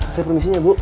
saya permisi ya bu